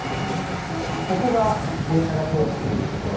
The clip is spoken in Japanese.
ここが電車が通っているところ。